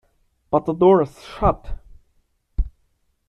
But the door's shut.